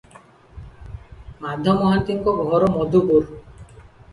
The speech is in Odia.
ମାଧ ମହାନ୍ତିଙ୍କ ଘର ମଧୁପୁର ।